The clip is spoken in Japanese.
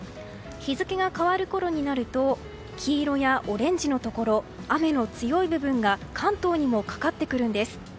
日付が変わるころになると黄色やオレンジのところ雨の強い部分が関東にもかかってくるんです。